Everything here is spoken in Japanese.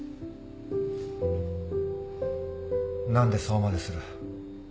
何でそうまでする？